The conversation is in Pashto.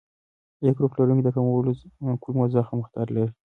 A ګروپ لرونکي د کولمو د زخم خطر لري.